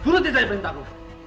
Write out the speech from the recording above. turut dicari perintahku